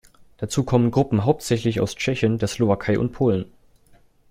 Dazu kommen Gruppen hauptsächlich aus Tschechien, der Slowakei und Polen.